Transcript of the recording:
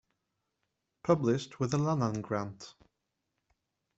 Published with a Lannan grant.